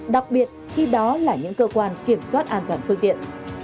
đặc biệt khi đó là những cơ quan kiểm soát an toàn phương tiện